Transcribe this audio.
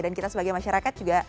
dan kita sebagai masyarakat juga